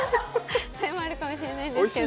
それもあるかもしれないですけど。